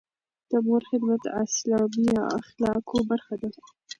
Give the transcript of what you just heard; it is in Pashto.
د مور خدمت د اسلامي اخلاقو برخه ده.